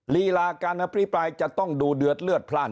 ลีลาการอภิปรายจะต้องดูเดือดเลือดพลาด